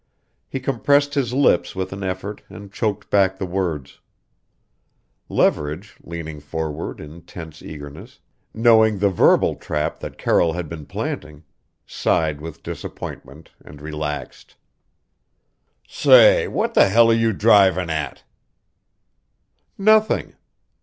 He compressed his lips with an effort and choked back the words. Leverage, leaning forward in tense eagerness knowing the verbal trap that Carroll had been planting sighed with disappointment, and relaxed. "Say, what the hell are you driving at!" "Nothing."